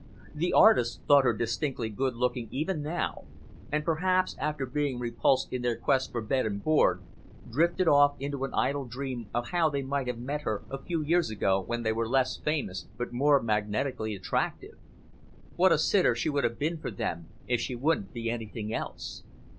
The artists thought her distinctly good looking even now, and perhaps, after being repulsed in their quest for bed and board, drifted off into an idle dream of how they might have met her a few years ago when they were less famous but more magnetically attractive. What a sitter she would have been for them, if she wouldn't be anything else!